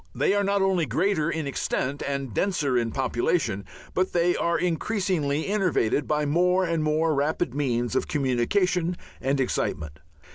They are not only greater in extent and denser in population, but they are increasingly innervated by more and more rapid means of communication and excitement.